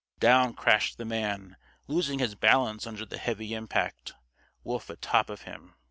Down crashed the man, losing his balance under the heavy impact; Wolf atop of him.